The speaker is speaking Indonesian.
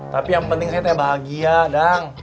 tapi yang penting saya tiap bahagia dang